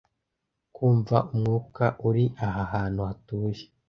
Kumva umwuka uri aha hantu hatuje